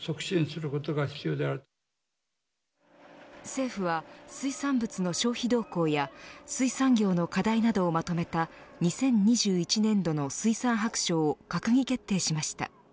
政府は水産物の消費動向や水産業の課題などをまとめた２０２１年度の水産白書を閣議決定しました。